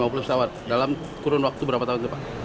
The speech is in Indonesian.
dua puluh pesawat dalam kurun waktu berapa tahun itu pak